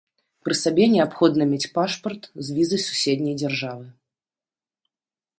Пры сабе неабходна мець пашпарт з візай суседняй дзяржавы.